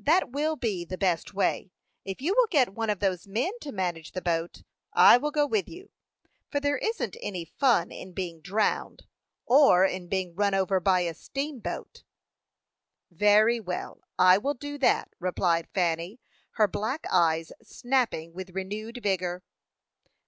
"That will be the best way. If you will get one of those men to manage the boat, I will go with you; for there isn't any fun in being drowned, or in being run over by a steamboat." "Very well, I will do that," replied Fanny, her black eyes snapping with renewed vigor.